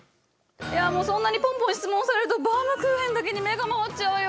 いやもうそんなにポンポン質問されるとバウムクーヘンだけに目が回っちゃうよ。